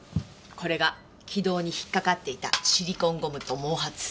これが気道に引っかかっていたシリコンゴムと毛髪。